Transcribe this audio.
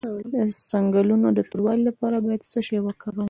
د څنګلو د توروالي لپاره باید څه شی وکاروم؟